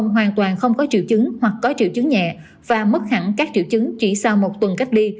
hoàn toàn không có triệu chứng hoặc có triệu chứng nhẹ và mất hẳn các triệu chứng chỉ sau một tuần cách ly